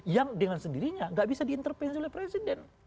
yang dengan sendirinya nggak bisa diintervensi oleh presiden